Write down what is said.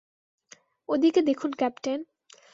ওদিকে দেখুন ক্যাপ্টেন।